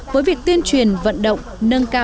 với việc tuyên truyền vận động nâng cao